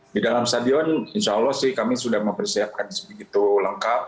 di dalam stadion insya allah sih kami sudah mempersiapkan segitu lengkap